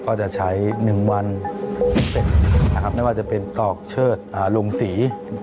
ก็จะใช้หนึ่งวันเสร็จนะครับไม่ว่าจะเป็นตอกเชิดลงสี